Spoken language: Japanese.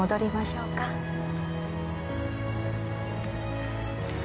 うん？